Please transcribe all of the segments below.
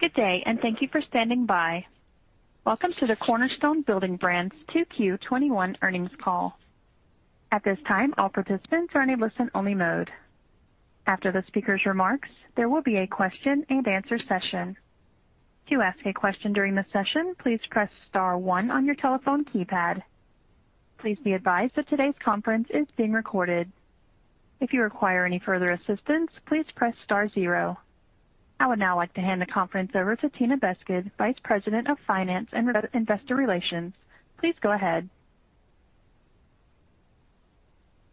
Good day, and thank you for standing by. Welcome to the Cornerstone Building Brands 2Q21 Earnings Call. At this time all participants are on listen only mode. After the speakers remarks there will be an answer and question session. To ask a question during the session, please press star one on your telephone keypad. Please be advised that today's conference is being recorded. If you require any further assistance please press star zero. I would now like to hand the conference over to Tina Beskid, Vice President of Finance and Investor Relations. Please go ahead.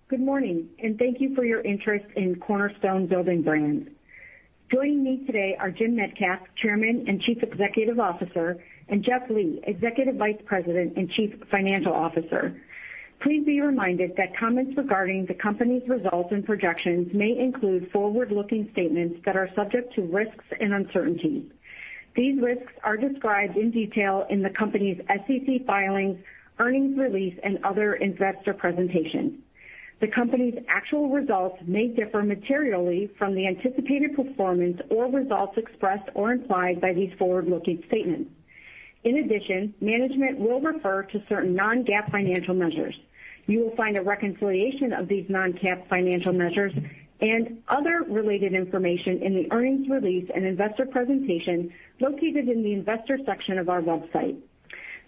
Good morning, and thank you for your interest in Cornerstone Building Brands. Joining me today are Jim Metcalf, Chairman and Chief Executive Officer, and Jeff Lee, Executive Vice President and Chief Financial Officer. Please be reminded that comments regarding the company's results and projections may include forward-looking statements that are subject to risks and uncertainties. These risks are described in detail in the company's SEC filings, earnings release, and other investor presentations. The company's actual results may differ materially from the anticipated performance or results expressed or implied by these forward-looking statements. In addition, management will refer to certain non-GAAP financial measures. You will find a reconciliation of these non-GAAP financial measures and other related information in the earnings release and investor presentation located in the investor section of our website.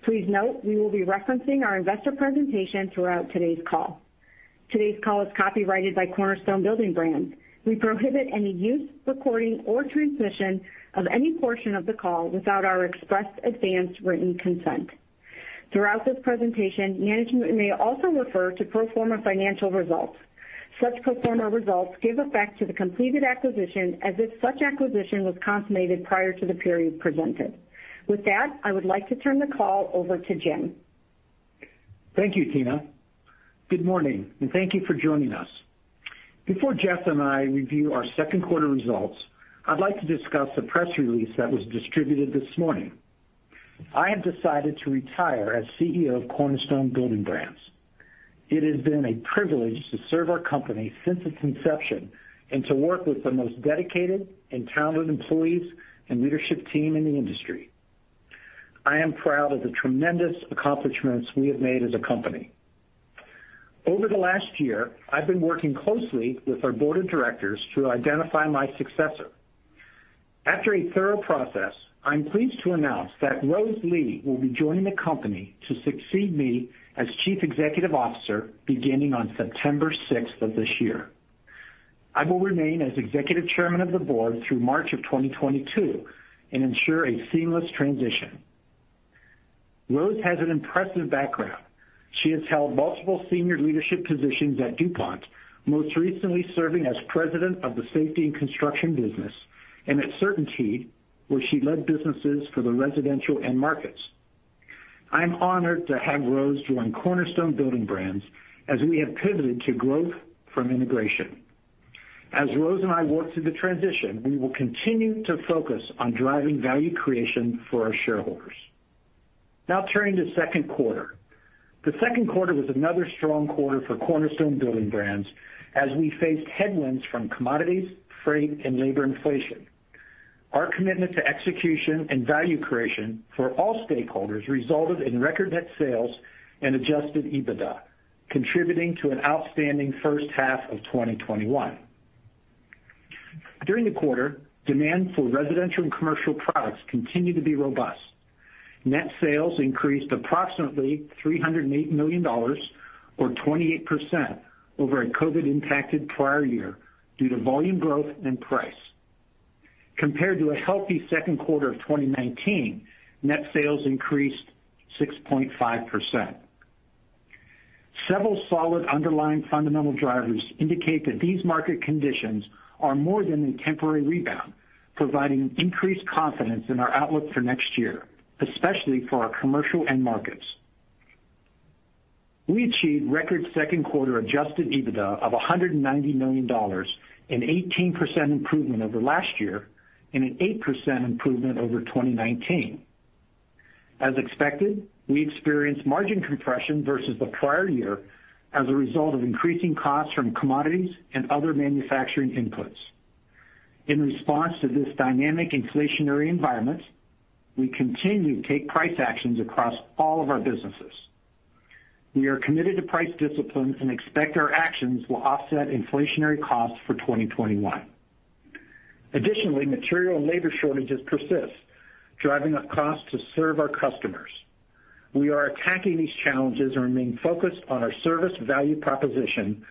Please note, we will be referencing our investor presentation throughout today's call. Today's call is copyrighted by Cornerstone Building Brands. We prohibit any use, recording, or transmission of any portion of the call without our express advance written consent. Throughout this presentation, management may also refer to pro forma financial results. Such pro forma results give effect to the completed acquisition as if such acquisition was consummated prior to the period presented. With that, I would like to turn the call over to Jim. Thank you, Tina. Good morning, and thank you for joining us. Before Jeff and I review our second quarter results, I'd like to discuss the press release that was distributed this morning. I have decided to retire as CEO of Cornerstone Building Brands. It has been a privilege to serve our company since its inception and to work with the most dedicated and talented employees and leadership team in the industry. I am proud of the tremendous accomplishments we have made as a company. Over the last year, I've been working closely with our board of directors to identify my successor. After a thorough process, I'm pleased to announce that Rose Lee will be joining the company to succeed me as Chief Executive Officer beginning on September sixth of this year. I will remain as Executive Chairman of the board through March of 2022 and ensure a seamless transition. Rose has an impressive background. She has held multiple senior leadership positions at DuPont, most recently serving as president of the safety and construction business, and at CertainTeed, where she led businesses for the residential end markets. I'm honored to have Rose join Cornerstone Building Brands as we have pivoted to growth from integration. As Rose and I work through the transition, we will continue to focus on driving value creation for our shareholders. Turning to second quarter. The second quarter was another strong quarter for Cornerstone Building Brands as we faced headwinds from commodities, freight, and labor inflation. Our commitment to execution and value creation for all stakeholders resulted in record net sales and adjusted EBITDA, contributing to an outstanding first half of 2021. During the quarter, demand for residential and commercial products continued to be robust. Net sales increased approximately $308 million or 28% over a COVID-impacted prior year due to volume growth and price. Compared to a healthy second quarter of 2019, net sales increased 6.5%. Several solid underlying fundamental drivers indicate that these market conditions are more than a temporary rebound, providing increased confidence in our outlook for next year, especially for our commercial end markets. We achieved record second quarter adjusted EBITDA of $190 million, an 18% improvement over last year and an 8% improvement over 2019. As expected, we experienced margin compression versus the prior year as a result of increasing costs from commodities and other manufacturing inputs. In response to this dynamic inflationary environment, we continue to take price actions across all of our businesses. We are committed to price discipline and expect our actions will offset inflationary costs for 2021. Additionally, material and labor shortages persist, driving up costs to serve our customers. We are attacking these challenges and remain focused on our service value proposition,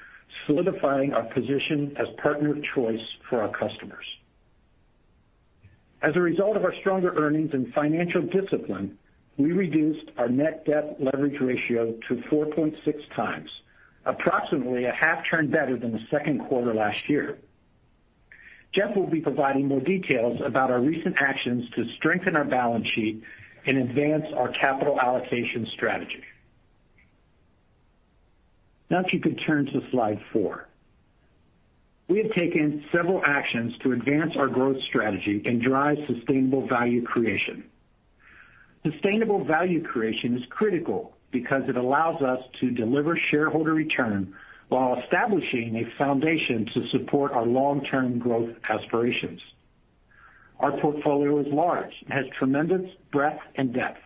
solidifying our position as partner of choice for our customers. As a result of our stronger earnings and financial discipline, we reduced our net debt leverage ratio to 4.6 times, approximately a half turn better than the second quarter last year. Jeff will be providing more details about our recent actions to strengthen our balance sheet and advance our capital allocation strategy. Now, if you could turn to slide 4. We have taken several actions to advance our growth strategy and drive sustainable value creation. Sustainable value creation is critical because it allows us to deliver shareholder return while establishing a foundation to support our long-term growth aspirations. Our portfolio is large and has tremendous breadth and depth.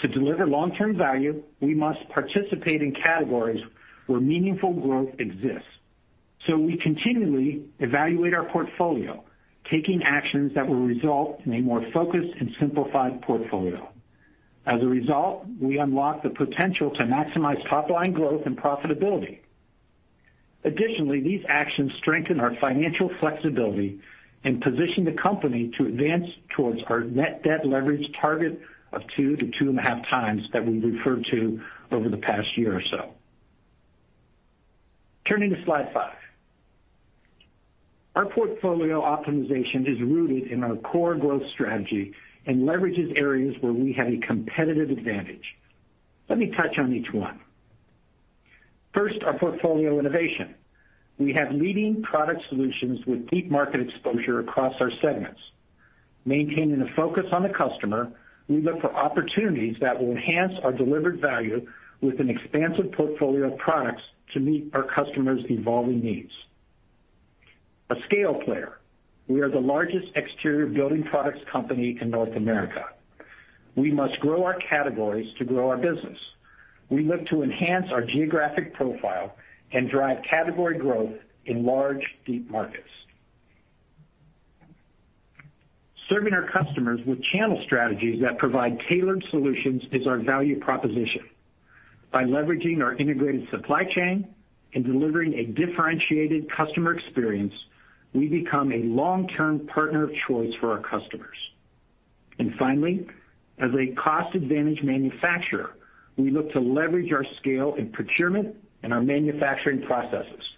To deliver long-term value, we must participate in categories where meaningful growth exists. We continually evaluate our portfolio, taking actions that will result in a more focused and simplified portfolio. As a result, we unlock the potential to maximize top-line growth and profitability. Additionally, these actions strengthen our financial flexibility and position the company to advance towards our net debt leverage target of 2x-2.5x that we referred to over the past year or so. Turning to slide five. Our portfolio optimization is rooted in our core growth strategy and leverages areas where we have a competitive advantage. Let me touch on each one. First, our portfolio innovation. We have leading product solutions with deep market exposure across our segments. Maintaining a focus on the customer, we look for opportunities that will enhance our delivered value with an expansive portfolio of products to meet our customers' evolving needs. A scale player. We are the largest exterior building products company in North America. We must grow our categories to grow our business. We look to enhance our geographic profile and drive category growth in large, deep markets. Serving our customers with channel strategies that provide tailored solutions is our value proposition. By leveraging our integrated supply chain and delivering a differentiated customer experience, we become a long-term partner of choice for our customers. Finally, as a cost-advantage manufacturer, we look to leverage our scale in procurement and our manufacturing processes.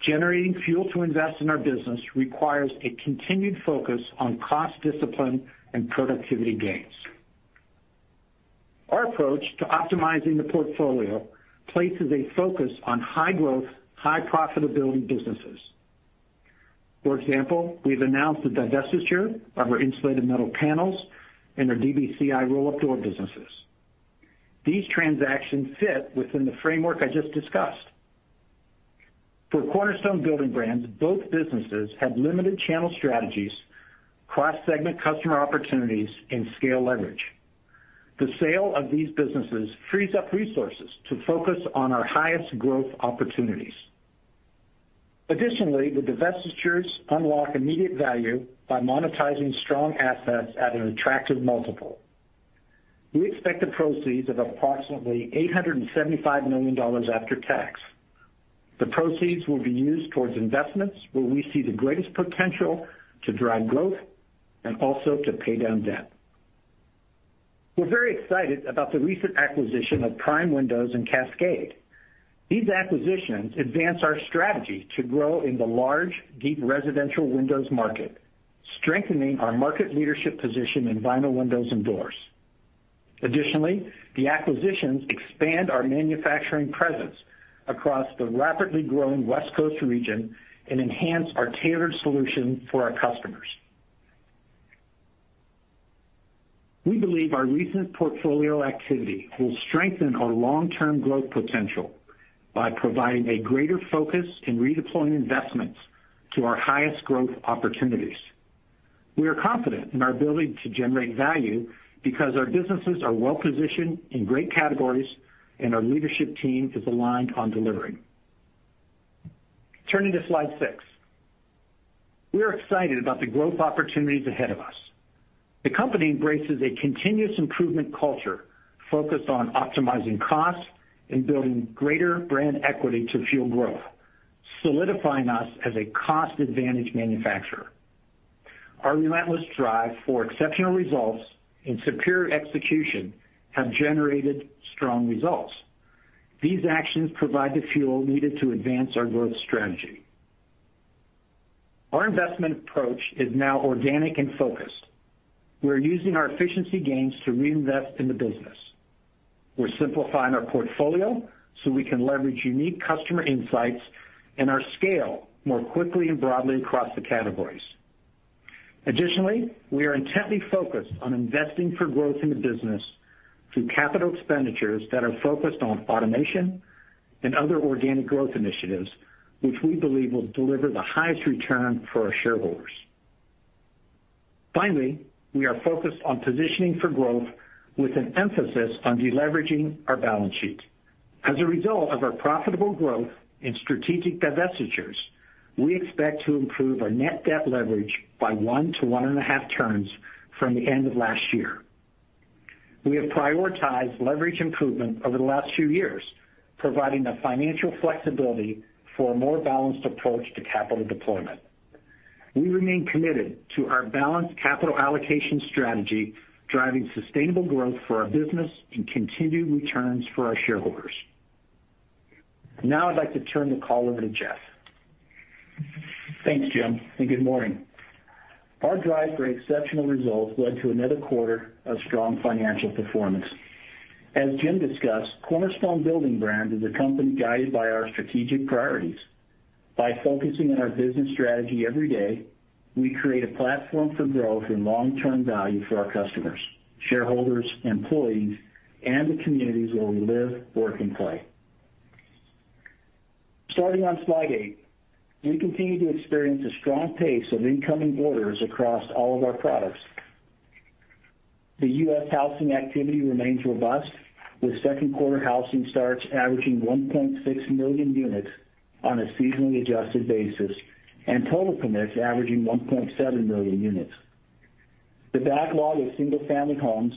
Generating fuel to invest in our business requires a continued focus on cost discipline and productivity gains. Our approach to optimizing the portfolio places a focus on high-growth, high-profitability businesses. For example, we've announced the divestiture of our Insulated Metal Panels and our DBCI roll-up door businesses. These transactions fit within the framework I just discussed. For Cornerstone Building Brands, both businesses have limited channel strategies, cross-segment customer opportunities, and scale leverage. The sale of these businesses frees up resources to focus on our highest growth opportunities. Additionally, the divestitures unlock immediate value by monetizing strong assets at an attractive multiple. We expect the proceeds of approximately $875 million after tax. The proceeds will be used towards investments where we see the greatest potential to drive growth and also to pay down debt. We're very excited about the recent acquisition of Prime Windows and Cascade. These acquisitions advance our strategy to grow in the large, deep residential windows market, strengthening our market leadership position in vinyl windows and doors. Additionally, the acquisitions expand our manufacturing presence across the rapidly growing West Coast region and enhance our tailored solution for our customers. We believe our recent portfolio activity will strengthen our long-term growth potential by providing a greater focus in redeploying investments to our highest growth opportunities. We are confident in our ability to generate value because our businesses are well-positioned in great categories, and our leadership team is aligned on delivering. Turning to slide six. We are excited about the growth opportunities ahead of us. The company embraces a continuous improvement culture focused on optimizing costs and building greater brand equity to fuel growth, solidifying us as a cost-advantage manufacturer. Our relentless drive for exceptional results and superior execution have generated strong results. These actions provide the fuel needed to advance our growth strategy. Our investment approach is now organic and focused. We're using our efficiency gains to reinvest in the business. We're simplifying our portfolio so we can leverage unique customer insights and our scale more quickly and broadly across the categories. Additionally, we are intently focused on investing for growth in the business through capital expenditures that are focused on automation and other organic growth initiatives, which we believe will deliver the highest return for our shareholders. Finally, we are focused on positioning for growth with an emphasis on deleveraging our balance sheet. As a result of our profitable growth in strategic divestitures, we expect to improve our net debt leverage by 1x-1.5x from the end of last year. We have prioritized leverage improvement over the last few years, providing the financial flexibility for a more balanced approach to capital deployment. We remain committed to our balanced capital allocation strategy, driving sustainable growth for our business and continued returns for our shareholders. Now I'd like to turn the call over to Jeff. Thanks, Jim. Good morning. Our drive for exceptional results led to another quarter of strong financial performance. As Jim discussed, Cornerstone Building Brands is a company guided by our strategic priorities. By focusing on our business strategy every day, we create a platform for growth and long-term value for our customers, shareholders, employees, and the communities where we live, work, and play. Starting on slide eight. We continue to experience a strong pace of incoming orders across all of our products. The U.S. housing activity remains robust, with second quarter housing starts averaging 1.6 million units on a seasonally adjusted basis, and total permits averaging 1.7 million units. The backlog of single-family homes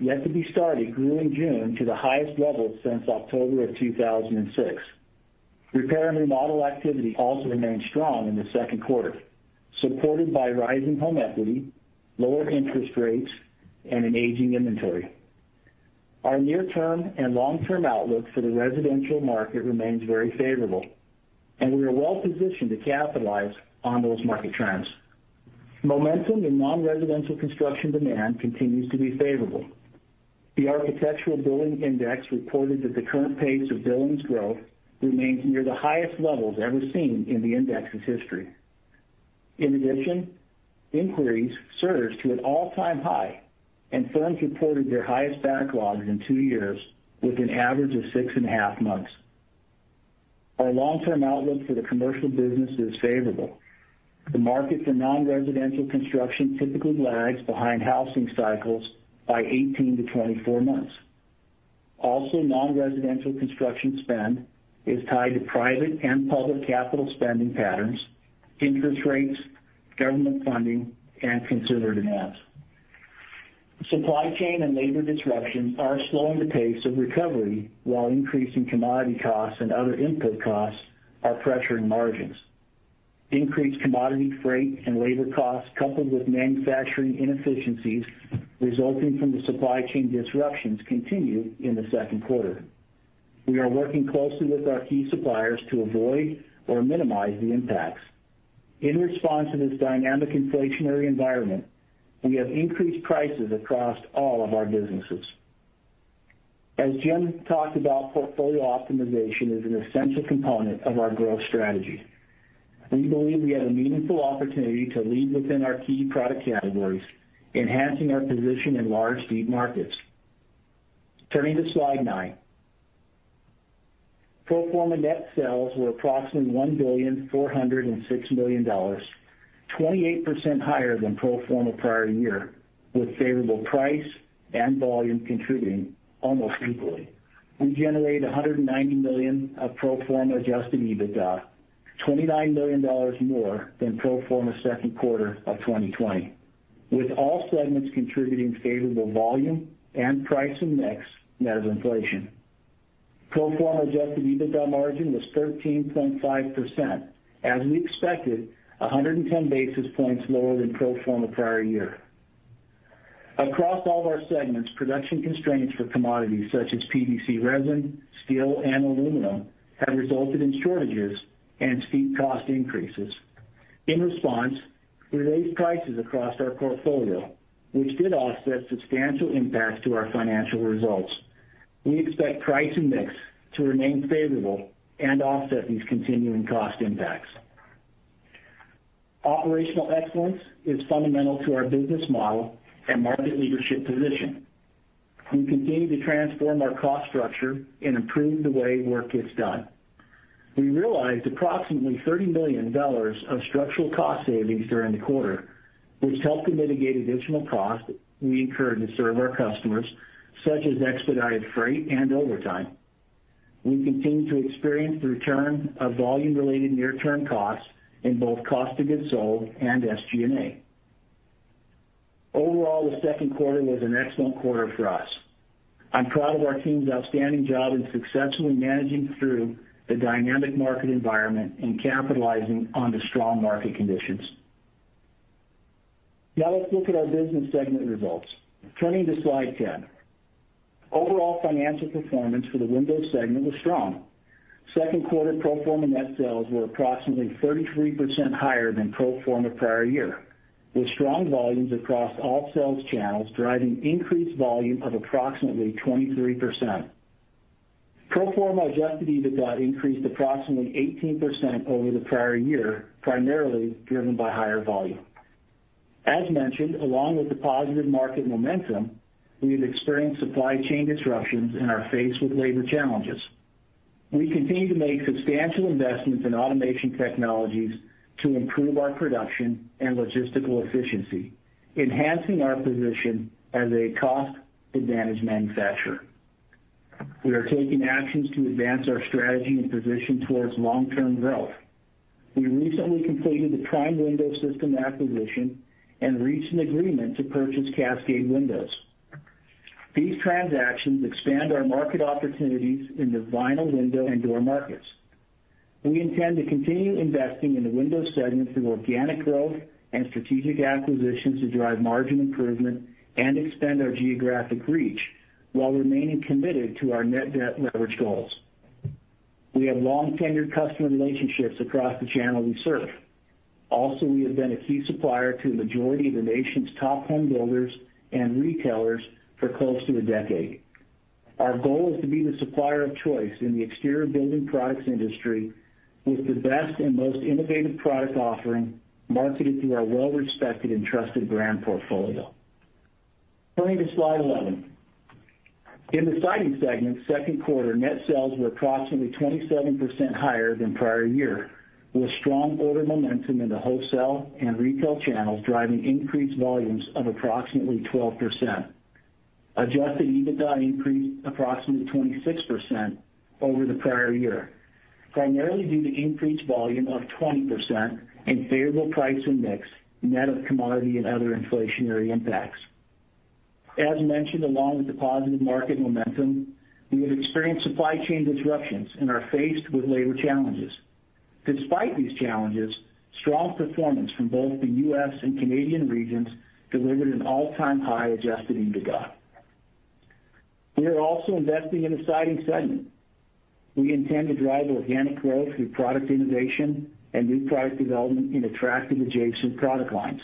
yet to be started grew in June to the highest level since October of 2006. Repair and remodel activity also remained strong in the second quarter, supported by rising home equity, lower interest rates, and an aging inventory. Our near-term and long-term outlook for the residential market remains very favorable, and we are well positioned to capitalize on those market trends. Momentum in non-residential construction demand continues to be favorable. The Architecture Billings Index reported that the current pace of billings growth remains near the highest levels ever seen in the index's history. Inquiries surged to an all-time high, and firms reported their highest backlogs in two years, with an average of six and a half months. Our long-term outlook for the commercial business is favorable. The market for non-residential construction typically lags behind housing cycles by 18 to 24 months. Non-residential construction spend is tied to private and public capital spending patterns, interest rates, government funding, and consumer demand. Supply chain and labor disruptions are slowing the pace of recovery while increasing commodity costs and other input costs are pressuring margins. Increased commodity freight and labor costs, coupled with manufacturing inefficiencies resulting from the supply chain disruptions, continued in the second quarter. We are working closely with our key suppliers to avoid or minimize the impacts. In response to this dynamic inflationary environment, we have increased prices across all of our businesses. As Jim talked about, portfolio optimization is an essential component of our growth strategy. We believe we have a meaningful opportunity to lead within our key product categories, enhancing our position in large, deep markets. Turning to slide nine. Pro forma net sales were approximately $1,406,000,000, 28% higher than pro forma prior year, with favorable price and volume contributing almost equally. We generated $190 million of pro forma adjusted EBITDA, $29 million more than pro forma second quarter of 2020, with all segments contributing favorable volume and price mix net of inflation. Pro forma adjusted EBITDA margin was 13.5%, as we expected, 110 basis points lower than pro forma prior year. Across all of our segments, production constraints for commodities such as PVC resin, steel, and aluminum have resulted in shortages and steep cost increases. In response, we raised prices across our portfolio, which did offset substantial impacts to our financial results. We expect price and mix to remain favorable and offset these continuing cost impacts. Operational excellence is fundamental to our business model and market leadership position. We continue to transform our cost structure and improve the way work gets done. We realized approximately $30 million of structural cost savings during the quarter, which helped to mitigate additional costs we incurred to serve our customers, such as expedited freight and overtime. We continue to experience the return of volume-related near-term costs in both cost of goods sold and SG&A. Overall, the second quarter was an excellent quarter for us. I'm proud of our team's outstanding job in successfully managing through the dynamic market environment and capitalizing on the strong market conditions. Now let's look at our business segment results. Turning to slide 10. Overall financial performance for the windows segment was strong. Second quarter pro forma net sales were approximately 33% higher than pro forma prior year, with strong volumes across all sales channels driving increased volume of approximately 23%. Pro forma adjusted EBITDA increased approximately 18% over the prior year, primarily driven by higher volume. As mentioned, along with the positive market momentum, we have experienced supply chain disruptions and are faced with labor challenges. We continue to make substantial investments in automation technologies to improve our production and logistical efficiency, enhancing our position as a cost-advantaged manufacturer. We are taking actions to advance our strategy and position towards long-term growth. We recently completed the Prime Window Systems acquisition and reached an agreement to purchase Cascade Windows. These transactions expand our market opportunities in the vinyl window and door markets. We intend to continue investing in the windows segment through organic growth and strategic acquisitions to drive margin improvement and expand our geographic reach while remaining committed to our net debt leverage goals. We have long tenured customer relationships across the channel we serve. Also, we have been a key supplier to the majority of the nation's top home builders and retailers for close to a decade. Our goal is to be the supplier of choice in the exterior building products industry with the best and most innovative product offering marketed through our well-respected and trusted brand portfolio. Turning to slide 11. In the Siding segment, second quarter net sales were approximately 27% higher than prior year, with strong order momentum in the wholesale and retail channels driving increased volumes of approximately 12%. Adjusted EBITDA increased approximately 26% over the prior year, primarily due to increased volume of 20% and favorable price and mix, net of commodity and other inflationary impacts. As mentioned, along with the positive market momentum, we have experienced supply chain disruptions and are faced with labor challenges. Despite these challenges, strong performance from both the U.S. and Canadian regions delivered an all-time high adjusted EBITDA. We are also investing in the Siding segment. We intend to drive organic growth through product innovation and new product development in attractive adjacent product lines.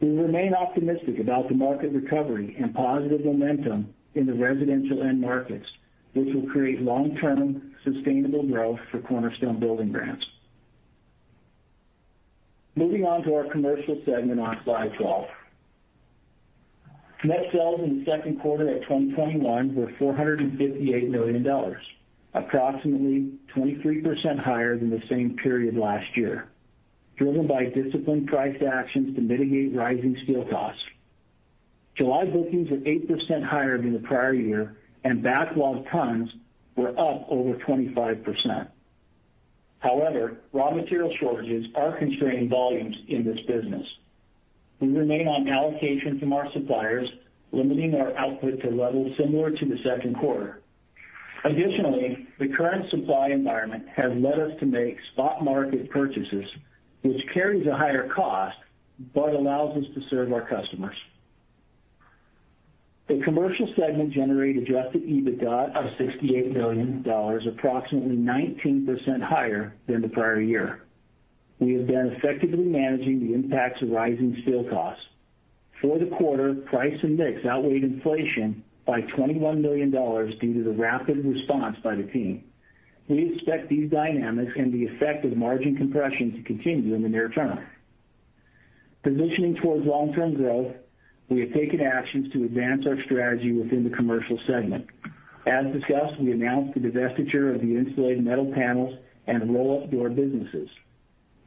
We remain optimistic about the market recovery and positive momentum in the residential end markets, which will create long-term sustainable growth for Cornerstone Building Brands. Moving on to our Commercial segment on slide 12. Net sales in the second quarter at 2021 were $458 million, approximately 23% higher than the same period last year, driven by disciplined price actions to mitigate rising steel costs. July bookings were 8% higher than the prior year, and backlog tons were up over 25%. However, raw material shortages are constraining volumes in this business. We remain on allocation from our suppliers, limiting our output to levels similar to the second quarter. Additionally, the current supply environment has led us to make spot market purchases, which carries a higher cost but allows us to serve our customers. The Commercial Segment generated adjusted EBITDA of $68 million, approximately 19% higher than the prior year. We have been effectively managing the impacts of rising steel costs. For the quarter, price and mix outweighed inflation by $21 million due to the rapid response by the team. We expect these dynamics and the effect of margin compression to continue in the near term. Positioning towards long-term growth, we have taken actions to advance our strategy within the Commercial Segment. As discussed, we announced the divestiture of the Insulated Metal Panels and roll-up door businesses.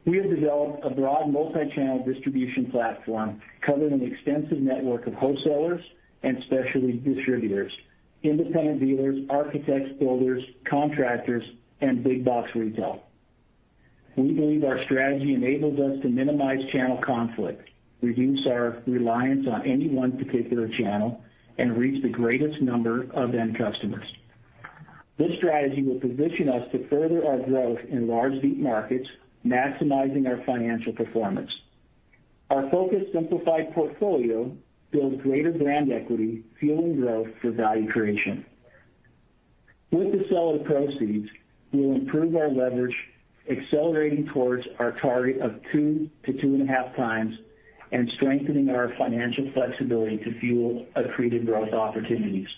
We have developed a broad multi-channel distribution platform covering an extensive network of wholesalers and specialty distributors, independent dealers, architects, builders, contractors, and big box retail. We believe our strategy enables us to minimize channel conflict, reduce our reliance on any one particular channel, and reach the greatest number of end customers. This strategy will position us to further our growth in large deep markets, maximizing our financial performance. Our focused, simplified portfolio builds greater brand equity, fueling growth through value creation. With the sale proceeds, we will improve our leverage, accelerating towards our target of 2x to 2.5x, and strengthening our financial flexibility to fuel accretive growth opportunities.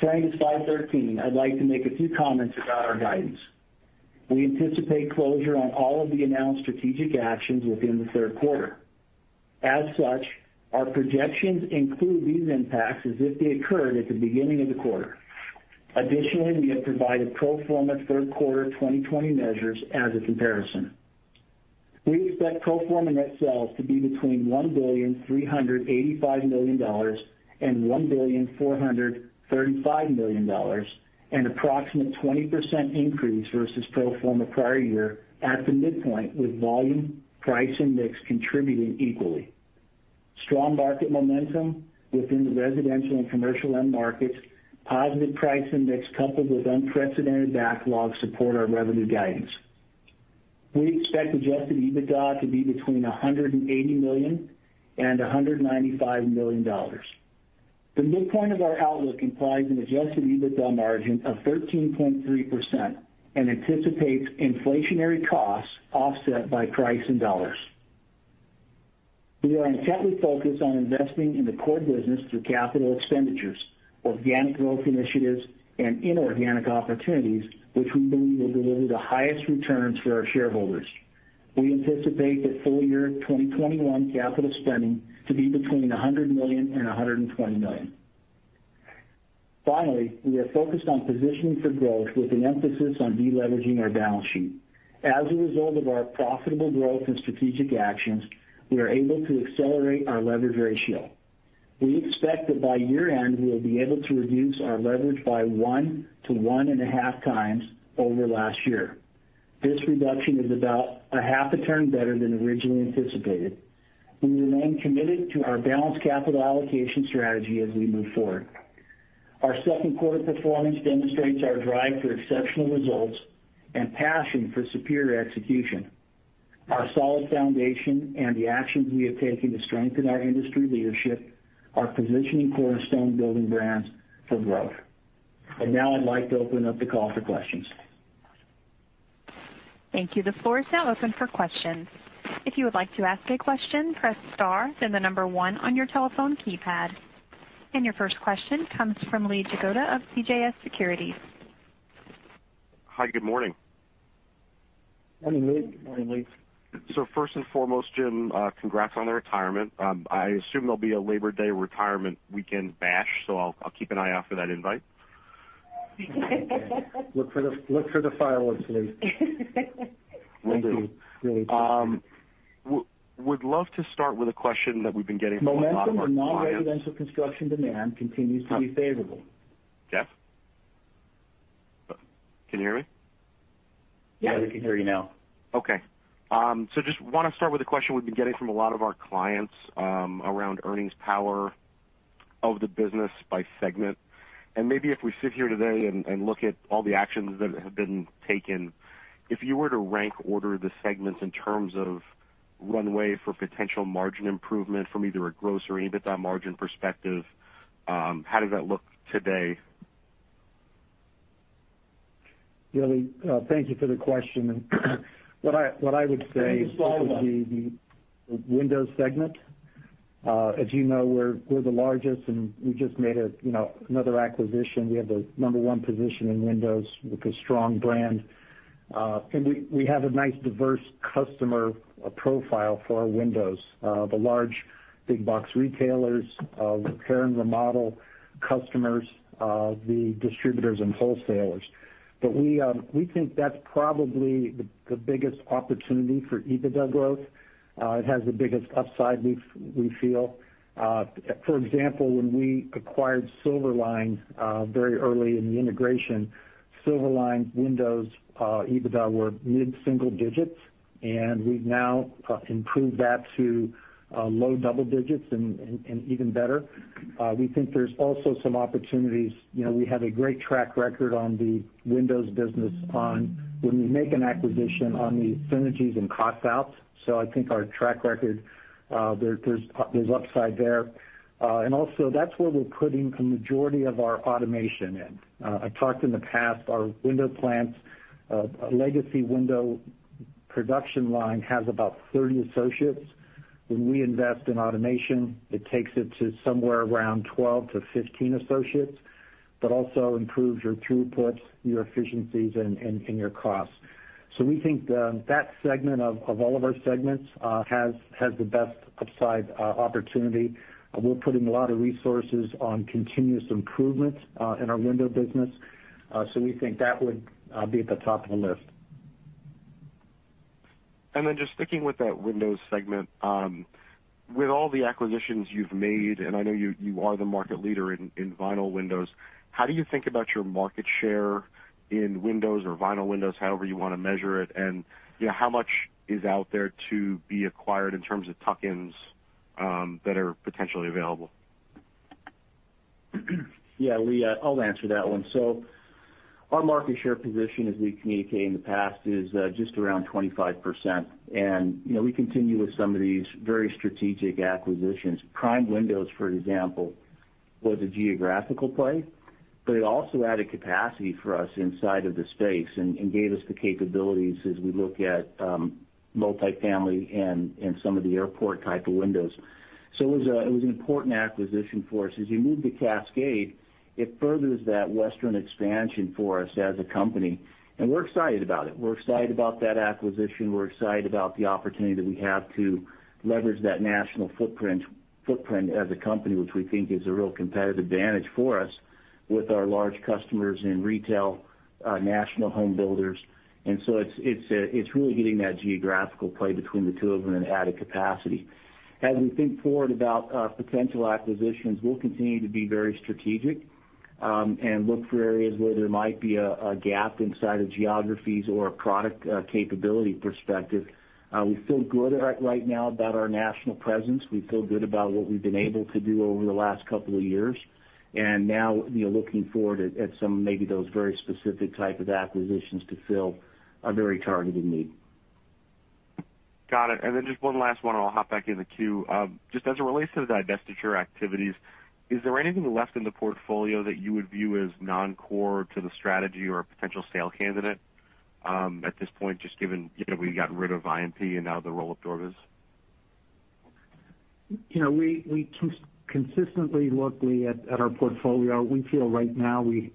Turning to slide 13, I'd like to make a few comments about our guidance. We anticipate closure on all of the announced strategic actions within the third quarter. As such, our projections include these impacts as if they occurred at the beginning of the quarter. Additionally, we have provided pro forma third quarter 2020 measures as a comparison. We expect pro forma net sales to be between $1,385,000,000 and $1,435,000,000, an approximate 20% increase versus pro forma prior year at the midpoint, with volume, price, and mix contributing equally. Strong market momentum within the residential and commercial end markets, positive price and mix coupled with unprecedented backlogs support our revenue guidance. We expect adjusted EBITDA to be between $180 million and $195 million. The midpoint of our outlook implies an adjusted EBITDA margin of 13.3% and anticipates inflationary costs offset by price in dollars. We are intently focused on investing in the core business through capital expenditures, organic growth initiatives, and inorganic opportunities, which we believe will deliver the highest returns for our shareholders. We anticipate that full year 2021 capital spending to be between $100 million and $120 million. We are focused on positioning for growth with an emphasis on de-leveraging our balance sheet. As a result of our profitable growth and strategic actions, we are able to accelerate our leverage ratio. We expect that by year-end, we'll be able to reduce our leverage by 1x to 1.5x over last year. This reduction is about a half a turn better than originally anticipated. We remain committed to our balanced capital allocation strategy as we move forward. Our second quarter performance demonstrates our drive for exceptional results and passion for superior execution. Our solid foundation and the actions we have taken to strengthen our industry leadership are positioning Cornerstone Building Brands for growth. Now I'd like to open up the call for questions. Thank you. The floor is now open for questions. If you would like to ask a question, press star, then the number one on your telephone keypad. Your first question comes from Lee Jagoda of CJS Securities. Hi, good morning. Morning, Lee. Morning, Lee. First and foremost, Jim, congrats on the retirement. I assume there'll be a Labor Day retirement weekend bash, so I'll keep an eye out for that invite. Look for the fireworks, Lee. Will do. Thank you, Lee. Would love to start with a question that we've been getting from a lot of our clients. Momentum in non-residential construction demand continues to be favorable. Jeff? Can you hear me? Yes. Yeah, we can hear you now. Okay. Just want to start with a question we've been getting from a lot of our clients around earnings power of the business by segment. Maybe if we sit here today and look at all the actions that have been taken, if you were to rank order the segments in terms of runway for potential margin improvement from either a gross or EBITDA margin perspective, how does that look today? Lee, thank you for the question. What I would say is the Windows segment. As you know, we're the largest, and we just made another acquisition. We have the number one position in Windows with a strong brand. We have a nice, diverse customer profile for our windows. The large big box retailers, repair and remodel customers, the distributors and wholesalers. We think that's probably the biggest opportunity for EBITDA growth. It has the biggest upside, we feel. For example, when we acquired Silver Line, very early in the integration, Silver Line's Windows EBITDA were mid-single digits, and we've now improved that to low double digits and even better. We think there's also some opportunities. We have a great track record on the Windows business on when we make an acquisition on the synergies and cost outs. I think our track record, there's upside there. That is where we're putting the majority of our automation in. I've talked in the past, our window plants, a legacy window production line has about 30 associates. When we invest in automation, it takes it to somewhere around 12 to 15 associates, but also improves your throughputs, your efficiencies, and your costs. We think that segment of all of our segments has the best upside opportunity. We're putting a lot of resources on continuous improvement in our window business. We think that would be at the top of the list. Then just sticking with that windows segment. With all the acquisitions you've made, and I know you are the market leader in vinyl windows, how do you think about your market share in windows or vinyl windows, however you want to measure it? How much is out there to be acquired in terms of tuck-ins that are potentially available? Yeah, Lee, I'll answer that one. Our market share position, as we communicated in the past, is just around 25%. We continue with some of these very strategic acquisitions. Prime Windows, for example, was a geographical play, but it also added capacity for us inside of the space and gave us the capabilities as we look at multi-family and some of the airport type of windows. It was an important acquisition for us. As you move to Cascade, it furthers that Western expansion for us as a company, and we're excited about it. We're excited about that acquisition. We're excited about the opportunity that we have to leverage that national footprint as a company, which we think is a real competitive advantage for us with our large customers in retail, national home builders. It's really hitting that geographical play between the two of them and added capacity. As we think forward about potential acquisitions, we'll continue to be very strategic, and look for areas where there might be a gap inside of geographies or a product capability perspective. We feel good right now about our national presence. We feel good about what we've been able to do over the last couple of years. Looking forward at some, maybe those very specific type of acquisitions to fill a very targeted need. Got it. Just one last one, and I'll hop back in the queue. Just as it relates to the divestiture activities, is there anything left in the portfolio that you would view as non-core to the strategy or a potential sale candidate at this point, just given we got rid of IMP and now the roll-up doors? We consistently look, Lee, at our portfolio. We feel right now we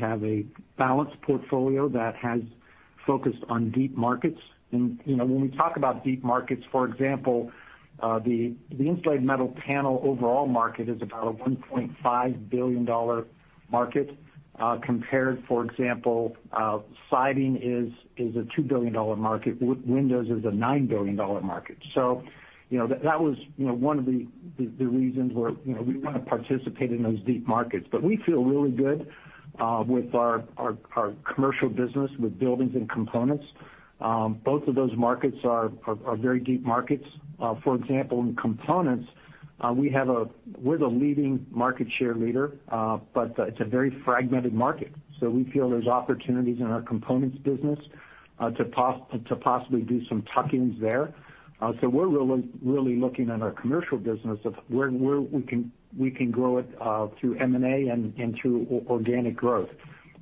have a balanced portfolio that has focused on deep markets. When we talk about deep markets, for example, the Insulated Metal Panels overall market is about a $1.5 billion market compared, for example, siding is a $2 billion market. Windows is a $9 billion market. That was one of the reasons we want to participate in those deep markets. We feel really good with our commercial business with buildings and components. Both of those markets are very deep markets. For example, in components, we're the leading market share leader, but it's a very fragmented market. We feel there's opportunities in our components business to possibly do some tuck-ins there. We're really looking at our commercial business of where we can grow it through M&A and through organic growth.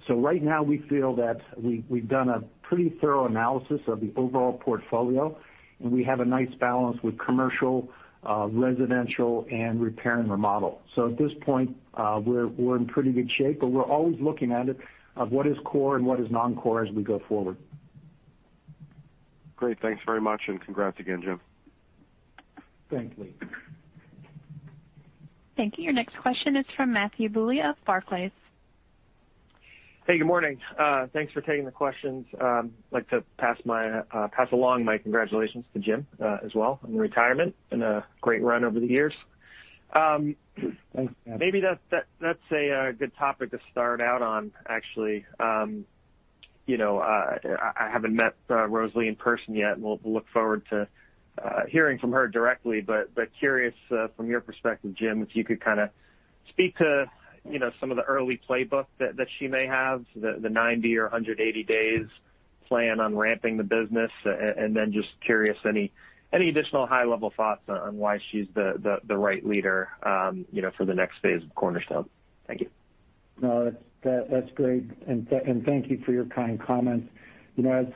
Right now we feel that we've done a pretty thorough analysis of the overall portfolio, and we have a nice balance with commercial, residential, and repair and remodel. At this point, we're in pretty good shape, but we're always looking at it, of what is core and what is non-core as we go forward. Great. Thanks very much, and congrats again, Jim. Thanks, Lee. Thank you. Your next question is from Matthew Bouley of Barclays. Hey, good morning. Thanks for taking the questions. I'd like to pass along my congratulations to Jim as well on retirement and a great run over the years. Thanks, Matt. Maybe that's a good topic to start out on, actually. I haven't met Rose Lee in person yet, and we'll look forward to hearing from her directly, but curious from your perspective, Jim, if you could kind of speak to some of the early playbook that she may have, the 90 or 180 days plan on ramping the business, and then just curious, any additional high level thoughts on why she's the right leader for the next phase of Cornerstone? Thank you. That's great, thank you for your kind comments. As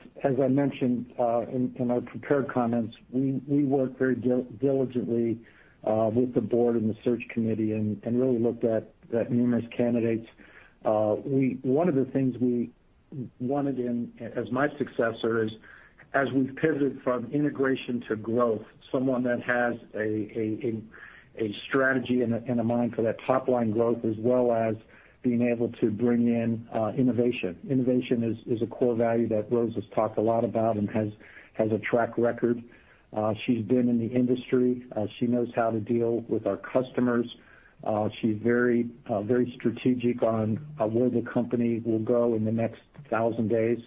I mentioned in my prepared comments, we worked very diligently with the board and the search committee and really looked at numerous candidates. One of the things we wanted as my successor is, as we've pivoted from integration to growth, someone that has a strategy and a mind for that top line growth, as well as being able to bring in innovation. Innovation is a core value that Rose has talked a lot about and has a track record. She's been in the industry. She knows how to deal with our customers. She's very strategic on where the company will go in the next 1,000 days.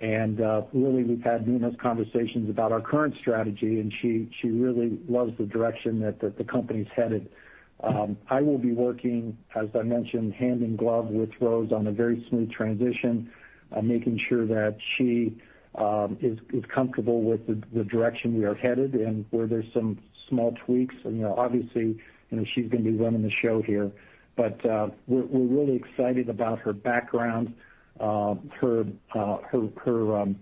Really, we've had numerous conversations about our current strategy, and she really loves the direction that the company's headed. I will be working, as I mentioned, hand in glove with Rose on a very smooth transition, making sure that she is comfortable with the direction we are headed and where there's some small tweaks. Obviously, she's going to be running the show here. We're really excited about her background, her experience,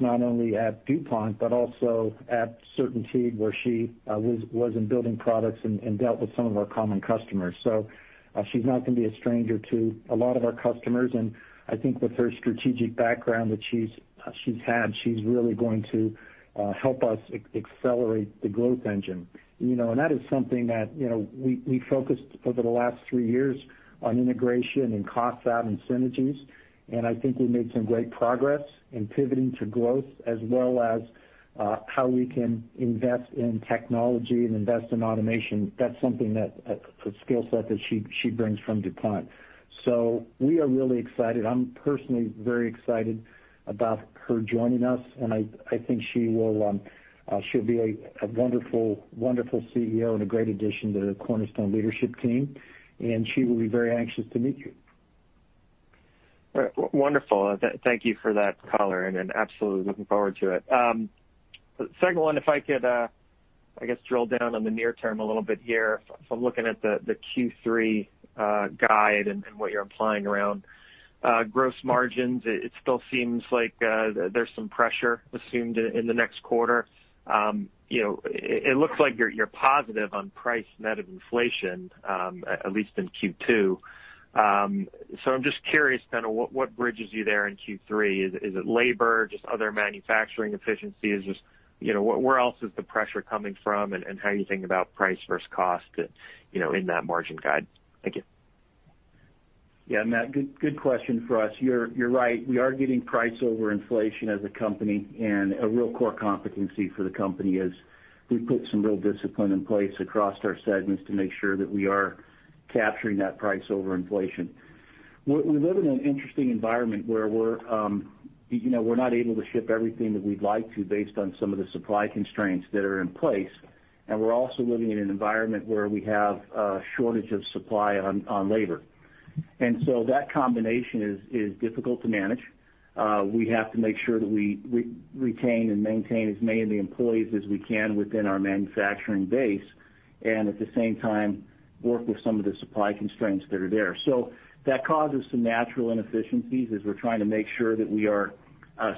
not only at DuPont, but also at CertainTeed, where she was in building products and dealt with some of our common customers. She's not going to be a stranger to a lot of our customers, and I think with her strategic background that she's had, she's really going to help us accelerate the growth engine. That is something that we focused over the last three years on integration and cost out and synergies, and I think we made some great progress in pivoting to growth as well as how we can invest in technology and invest in automation. That's something that, a skill set that she brings from DuPont. We are really excited. I'm personally very excited about her joining us, and I think she'll be a wonderful CEO and a great addition to the Cornerstone leadership team, and she will be very anxious to meet you. Wonderful. Thank you for that color, and absolutely looking forward to it. Second one, if I could, I guess, drill down on the near term a little bit here. If I'm looking at the Q3 guide and what you're implying around gross margins, it still seems like there's some pressure assumed in the next quarter. It looks like you're positive on price net of inflation, at least in Q2. I'm just curious, what bridges you there in Q3? Is it labor, just other manufacturing efficiencies? Just where else is the pressure coming from, and how are you thinking about price versus cost in that margin guide? Thank you. Yeah, Matt, good question for us. You're right. We are getting price over inflation as a company, and a real core competency for the company is we've put some real discipline in place across our segments to make sure that we are capturing that price over inflation. We live in an interesting environment where we're not able to ship everything that we'd like to based on some of the supply constraints that are in place, and we're also living in an environment where we have a shortage of supply on labor. That combination is difficult to manage. We have to make sure that we retain and maintain as many employees as we can within our manufacturing base, and at the same time, work with some of the supply constraints that are there. That causes some natural inefficiencies as we're trying to make sure that we are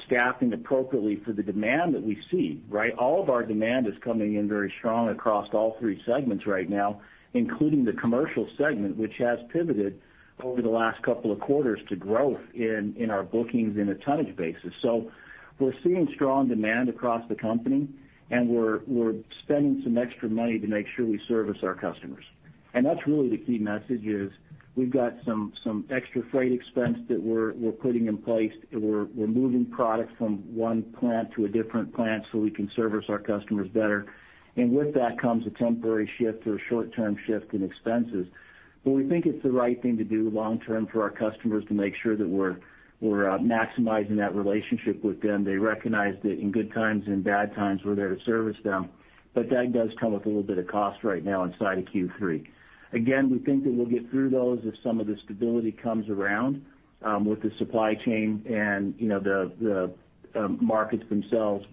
staffing appropriately for the demand that we see, right? All of our demand is coming in very strong across all three segments right now, including the commercial segment, which has pivoted over the last couple of quarters to growth in our bookings in a tonnage basis. We're seeing strong demand across the company, and we're spending some extra money to make sure we service our customers. That's really the key message is we've got some extra freight expense that we're putting in place. We're moving products from one plant to a different plant so we can service our customers better. With that comes a temporary shift or a short-term shift in expenses. We think it's the right thing to do long term for our customers to make sure that we're maximizing that relationship with them. They recognize that in good times and bad times, we're there to service them. That does come with a little bit of cost right now inside of Q3. Again, we think that we'll get through those as some of the stability comes around with the supply chain and the markets themselves.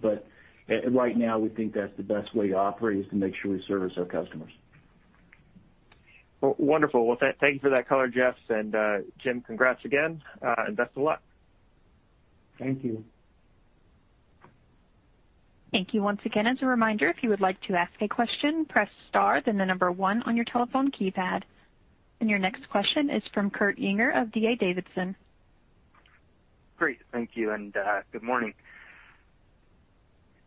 Right now, we think that's the best way to operate is to make sure we service our customers. Wonderful. Well, thank you for that color, Jeff. Jim, congrats again, and best of luck. Thank you. Thank you once again. As a reminder, if you would like to ask a question, press star, then the number one on your telephone keypad. Your next question is from Kurt Yinger of D.A. Davidson. Great. Thank you, and good morning.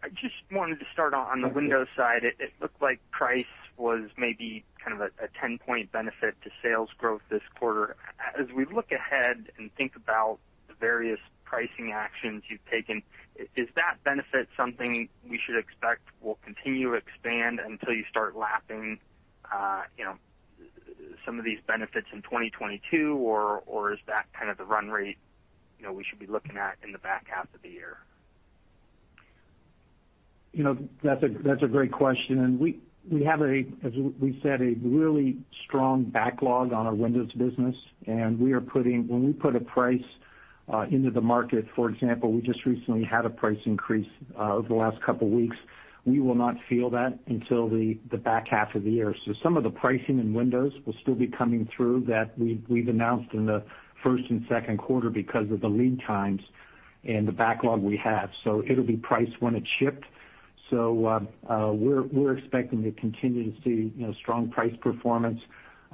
I just wanted to start on the windows side. It looked like price was maybe kind of a 10-point benefit to sales growth this quarter. As we look ahead and think about the various pricing actions you've taken, is that benefit something we should expect will continue to expand until you start lapping some of these benefits in 2022, or is that kind of the run rate we should be looking at in the back half of the year? That's a great question, and we have, as we said, a really strong backlog on our Windows business, and when we put a price into the market, for example, we just recently had a price increase over the last couple of weeks. We will not feel that until the back half of the year. Some of the pricing in Windows will still be coming through that we've announced in the first and second quarter because of the lead times and the backlog we have. It'll be priced when it's shipped. We're expecting to continue to see strong price performance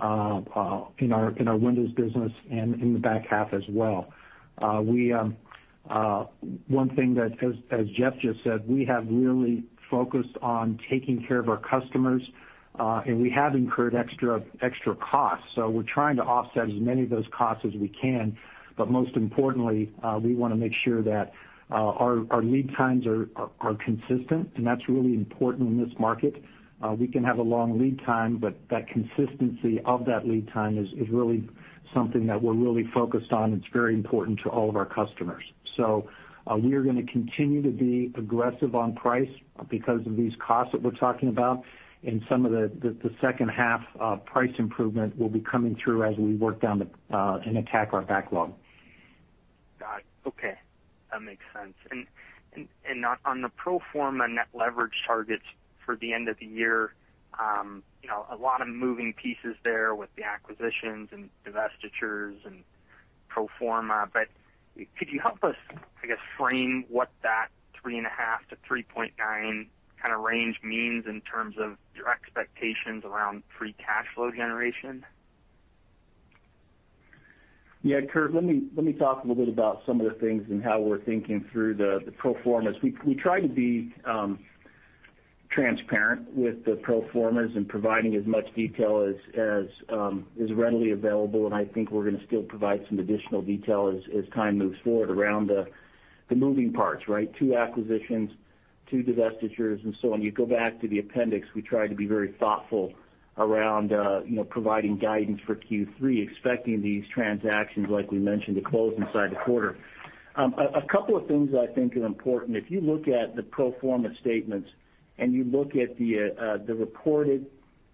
in our Windows business and in the back half as well. One thing that, as Jeff just said, we have really focused on taking care of our customers, and we have incurred extra costs. We're trying to offset as many of those costs as we can. Most importantly, we want to make sure that our lead times are consistent, and that's really important in this market. We can have a long lead time, but that consistency of that lead time is really something that we're really focused on. It's very important to all of our customers. We are going to continue to be aggressive on price because of these costs that we're talking about, and some of the second half price improvement will be coming through as we work down and attack our backlog. Got it. Okay. That makes sense. On the pro forma net leverage targets for the end of the year, a lot of moving pieces there with the acquisitions and divestitures and pro forma. But could you help us, I guess, frame what that 3.5x-3.9x kind of range means in terms of your expectations around free cash flow generation? Yeah, Kurt, let me talk a little bit about some of the things and how we're thinking through the pro formas. We try to be transparent with the pro formas and providing as much detail as is readily available. I think we're going to still provide some additional detail as time moves forward around the moving parts, right? Two acquisitions, two divestitures, and so on. You go back to the appendix, we try to be very thoughtful around providing guidance for Q3, expecting these transactions, like we mentioned, to close inside the quarter. A couple of things I think are important. If you look at the pro forma statements and you look at the reported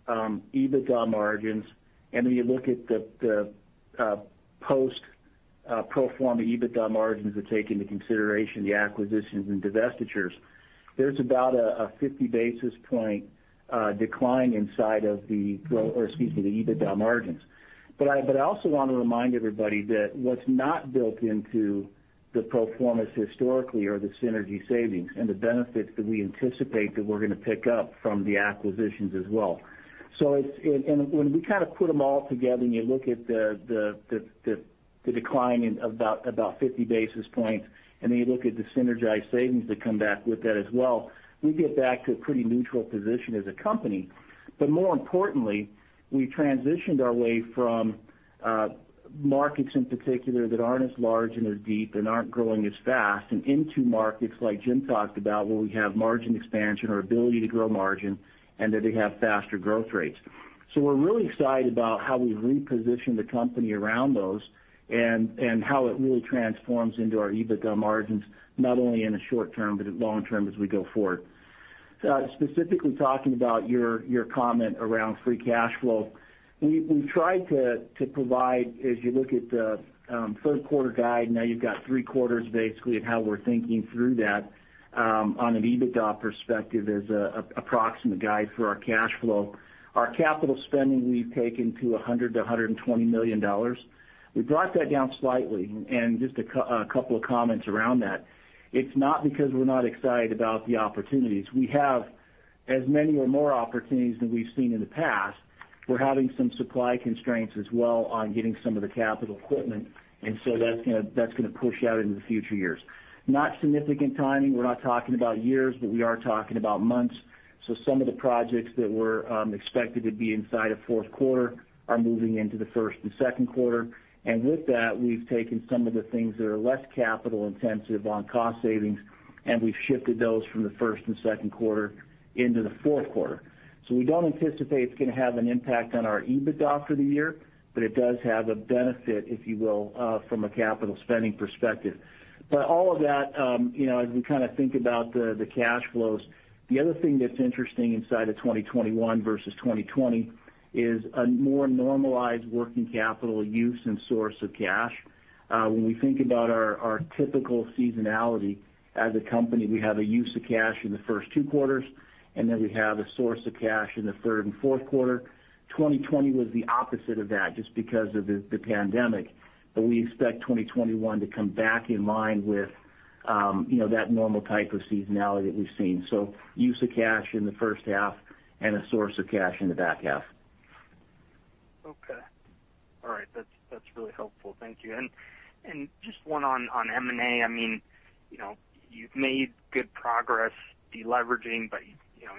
EBITDA margins, and then you look at the post pro forma EBITDA margins that take into consideration the acquisitions and divestitures, there's about a 50 basis point decline inside of the-- or excuse me, the EBITDA margins. I also want to remind everybody that what's not built into the pro forma's historically are the synergy savings and the benefits that we anticipate that we're going to pick up from the acquisitions as well. When we kind of put them all together and you look at the decline in about 50 basis points, and then you look at the synergized savings that come back with that as well, we get back to a pretty neutral position as a company. More importantly, we transitioned our way from markets in particular that aren't as large and as deep and aren't growing as fast and into markets like Jim Metcalf talked about where we have margin expansion or ability to grow margin and that they have faster growth rates. We're really excited about how we reposition the company around those and how it really transforms into our EBITDA margins, not only in the short term, but long term as we go forward. Specifically talking about your comment around free cash flow, we tried to provide, as you look at the third quarter guide, now you've got three quarters basically of how we're thinking through that on an EBITDA perspective as an approximate guide for our cash flow. Our capital spending we've taken to $100 million-$120 million. We brought that down slightly, just a couple of comments around that. It's not because we're not excited about the opportunities. We have as many or more opportunities than we've seen in the past. We're having some supply constraints as well on getting some of the capital equipment, and so that's going to push out into the future years. Not significant timing. We're not talking about years, but we are talking about months. Some of the projects that were expected to be inside of fourth quarter are moving into the first and second quarter. With that, we've taken some of the things that are less capital intensive on cost savings, and we've shifted those from the first and second quarter into the fourth quarter. We don't anticipate it's going to have an impact on our EBITDA for the year, but it does have a benefit, if you will, from a capital spending perspective. All of that as we kind of think about the cash flows. The other thing that's interesting inside of 2021 versus 2020 is a more normalized working capital use and source of cash. When we think about our typical seasonality as a company, we have a use of cash in the first two quarters, and then we have a source of cash in the third and fourth quarter. 2020 was the opposite of that just because of the pandemic. We expect 2021 to come back in line with that normal type of seasonality that we've seen. Use of cash in the first half and a source of cash in the back half. Okay. All right. That's really helpful. Thank you. Just 1 on M&A. You've made good progress de-leveraging, but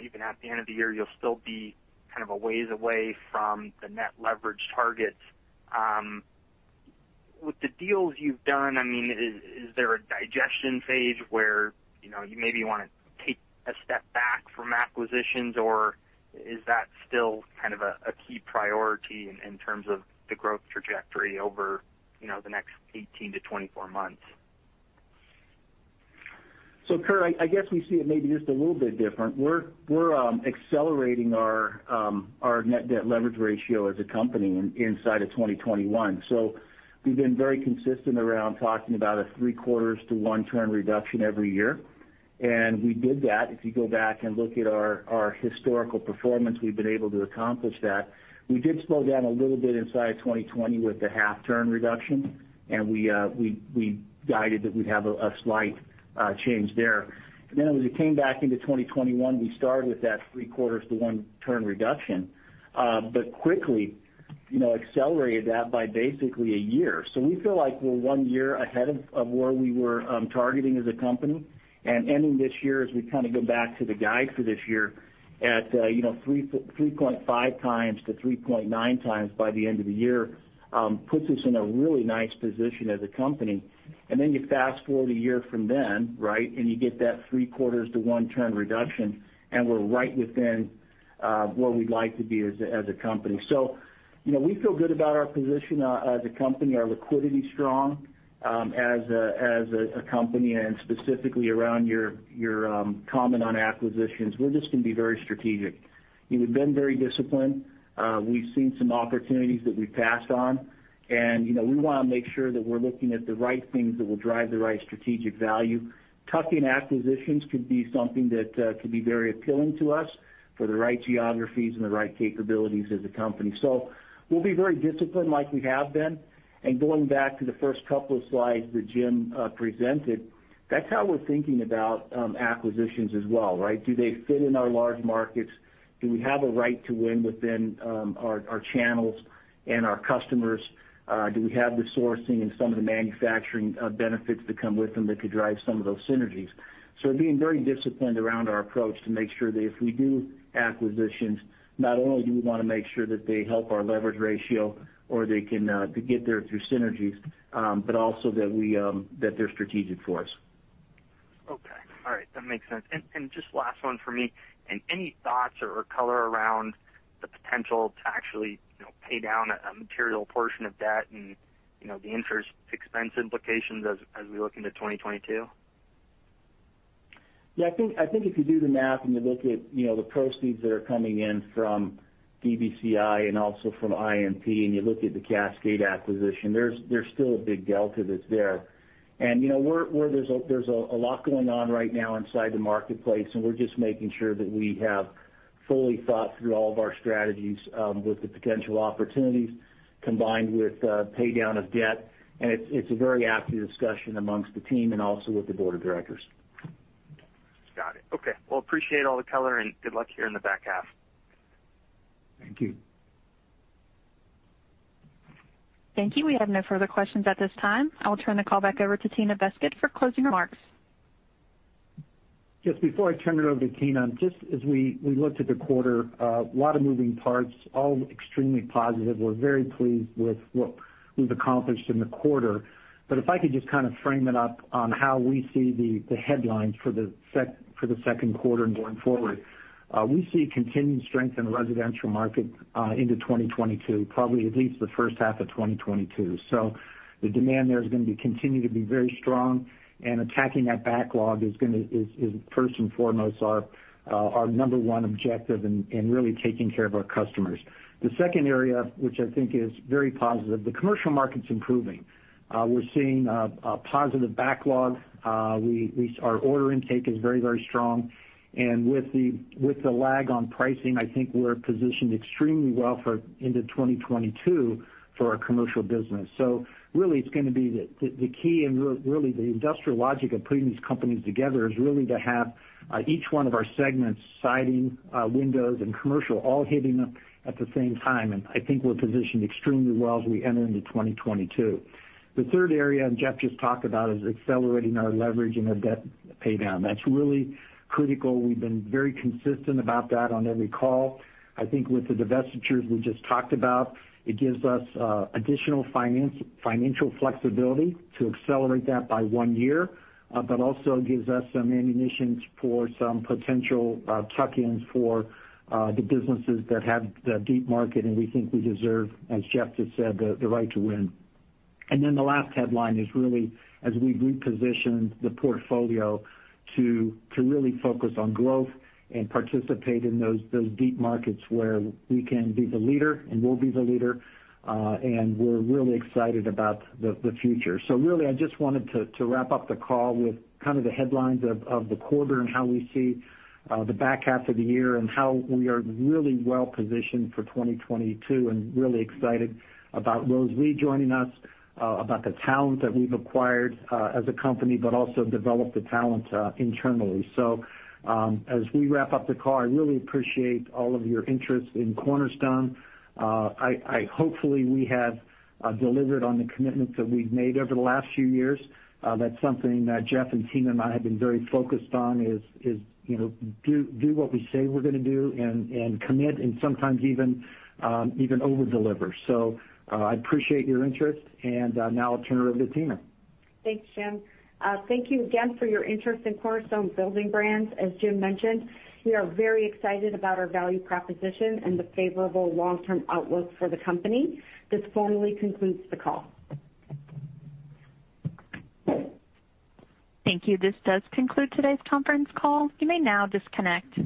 even at the end of the year, you'll still be kind of a ways away from the net leverage targets. With the deals you've done, is there a digestion phase where you maybe want to take a step back from acquisitions, or is that still kind of a key priority in terms of the growth trajectory over the next 18 to 24 months? Kurt Yinger, I guess we see it maybe just a little bit different. We're accelerating our net debt leverage ratio as a company inside of 2021. We've been very consistent around talking about a 0.75x-1x reduction every year. We did that. If you go back and look at our historical performance, we've been able to accomplish that. We did slow down a little bit inside of 2020 with the 0.5x reduction, and we guided that we'd have a slight change there. As we came back into 2021, we started with that 0.75x-1x reduction. Quickly accelerated that by basically one year. We feel like we're one year ahead of where we were targeting as a company. Ending this year, as we kind of go back to the guide for this year at 3.5x to 3.9x by the end of the year, puts us in a really nice position as a company. Then you fast-forward a year from then, right, and you get that three-quarters to 1-turn reduction, and we're right within where we'd like to be as a company. We feel good about our position as a company, our liquidity is strong as a company, and specifically around your comment on acquisitions. We're just going to be very strategic. We've been very disciplined. We've seen some opportunities that we've passed on, and we want to make sure that we're looking at the right things that will drive the right strategic value. Tuck-in acquisitions could be something that could be very appealing to us for the right geographies and the right capabilities as a company. We'll be very disciplined like we have been. Going back to the first couple of slides that Jim presented, that's how we're thinking about acquisitions as well, right? Do they fit in our large markets? Do we have a right to win within our channels and our customers? Do we have the sourcing and some of the manufacturing benefits that come with them that could drive some of those synergies? Being very disciplined around our approach to make sure that if we do acquisitions, not only do we want to make sure that they help our leverage ratio or they can get there through synergies, but also that they're strategic for us. Okay. All right. That makes sense. Just last one for me. Any thoughts or color around the potential to actually pay down a material portion of debt and the interest expense implications as we look into 2022? Yeah, I think if you do the math and you look at the proceeds that are coming in from DBCI and also from IMP, and you look at the Cascade acquisition, there's still a big delta that's there. There's a lot going on right now inside the marketplace, and we're just making sure that we have fully thought through all of our strategies with the potential opportunities combined with pay-down of debt. It's a very active discussion amongst the team and also with the board of directors. Got it. Okay. Well, appreciate all the color and good luck here in the back half. Thank you. Thank you. We have no further questions at this time. I will turn the call back over to Tina Beskid for closing remarks. Just before I turn it over to Tina, just as we looked at the quarter, a lot of moving parts, all extremely positive. We're very pleased with what we've accomplished in the quarter. If I could just kind of frame it up on how we see the headlines for the second quarter and going forward. We see continued strength in the residential market into 2022, probably at least the first half of 2022. The demand there is going to continue to be very strong, and attacking that backlog is first and foremost our number one objective in really taking care of our customers. The second area, which I think is very positive, the commercial market's improving. We're seeing a positive backlog. Our order intake is very strong. With the lag on pricing, I think we're positioned extremely well into 2022 for our commercial business. Really it's going to be the key and really the industrial logic of putting these companies together is really to have each one of our segments, siding, windows, and commercial, all hitting at the same time. I think we're positioned extremely well as we enter into 2022. The third area, Jeff just talked about, is accelerating our leverage and our debt pay down. That's really critical. We've been very consistent about that on every call. I think with the divestitures we just talked about, it gives us additional financial flexibility to accelerate that by one year. Also gives us some ammunition for some potential tuck-ins for the businesses that have the deep market, and we think we deserve, as Jeff just said, the right to win. The last headline is really as we reposition the portfolio to really focus on growth and participate in those deep markets where we can be the leader and will be the leader. We're really excited about the future. Really, I just wanted to wrap up the call with kind of the headlines of the quarter and how we see the back half of the year and how we are really well positioned for 2022 and really excited about Rose Lee joining us, about the talent that we've acquired as a company, but also develop the talent internally. As we wrap up the call, I really appreciate all of your interest in Cornerstone Building Brands. Hopefully, we have delivered on the commitments that we've made over the last few years. That's something that Jeff and Tina and I have been very focused on is do what we say we're going to do and commit and sometimes even over-deliver. I appreciate your interest, and now I'll turn it over to Tina. Thanks, Jim. Thank you again for your interest in Cornerstone Building Brands. As Jim mentioned, we are very excited about our value proposition and the favorable long-term outlook for the company. This formally concludes the call. Thank you. This does conclude today's conference call. You may now disconnect.